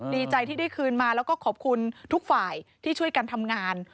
ดีใจที่ได้คืนมาแล้วก็ขอบคุณทุกฝ่ายที่ช่วยกันทำงาน